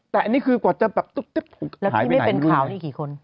แต่อันนี้คือกว่าจะแบบหายไปไหนหรืออะไร